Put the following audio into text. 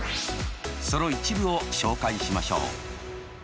その一部を紹介しましょう。